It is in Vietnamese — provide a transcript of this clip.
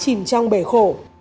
chìm trong bể khổ